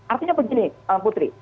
artinya begini putri